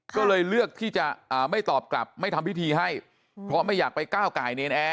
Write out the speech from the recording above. ก็เลยเลือกที่จะไม่ตอบกลับไม่ทำพิธีให้เพราะไม่อยากไปก้าวไก่เนรนแอร์